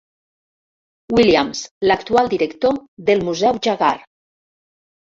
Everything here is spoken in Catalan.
Williams, l'actual director del museu Jaggar.